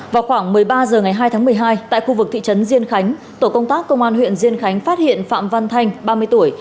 vào khoảng một mươi ba h ngày hai tháng một mươi hai tại khu vực thị trấn diên khánh tổ công tác công an huyện diên khánh phát hiện phạm văn thanh ba mươi tuổi